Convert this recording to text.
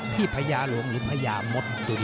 ที่พยาหลวงหรือพยาม็อส